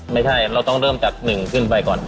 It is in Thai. ไม่ใช่เราต้องเริ่มจาก๑ขึ้นไปก่อน